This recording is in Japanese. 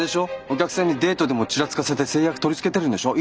お客さんにデートでもチラつかせて成約取り付けてるんでしょ？